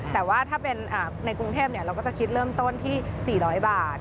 แต่ว่าถ้าเป็นในกรุงเทพเราก็จะคิดเริ่มต้นที่๔๐๐บาท